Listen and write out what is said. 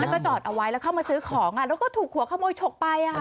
แล้วก็จอดเอาไว้แล้วเข้ามาซื้อของแล้วก็ถูกหัวขโมยฉกไป